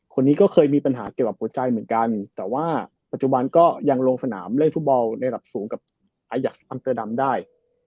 คนนี้ก็เคยมีปัญหาเกี่ยวกับหัวใจเหมือนกันแต่ว่าปัจจุบันก็ยังลงสนามเล่นฟุตบอลในระดับสูงกับอายักษ์อันเตอร์ดัมได้